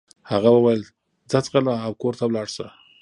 هغه وويل ځه ځغله او کور ته ولاړه شه.